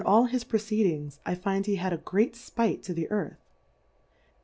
l his Proceedings, I find he had a great fpiglit to tlie Earth.